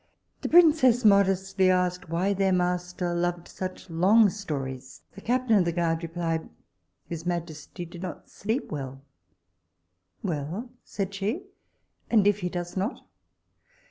The princess modestly asked, why their master loved such long stories? The captain of the guard replied, his majesty did not sleep well Well! said she, and if he does not!